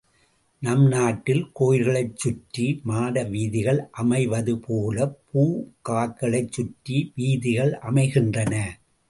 நம் நாட்டில் கோயில்களைச் சுற்றி மாட வீதிகள் அமைவது போலப் பூங்காக்களைச் சுற்றி வீதிகள் அமைகின்றன.